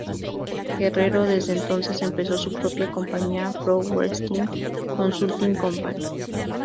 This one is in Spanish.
Guerrero desde entonces empezó su propia compañía, Pro Wrestling Consulting Company.